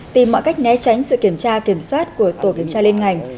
tìm mọi cách né tránh sự kiểm tra kiểm soát của tổ kiểm tra liên ngành